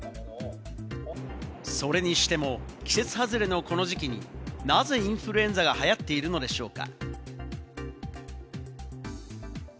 それにしても、季節外れの、この時期になぜインフルエンザが流行っているのでしょうか？